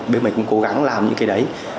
bên mình cũng cố gắng làm những cái đấy